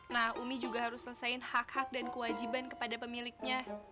nah umi juga harus selesaikan hak hak dan kewajiban kepada pemiliknya